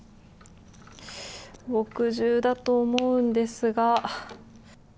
墨汁だと思うんですが。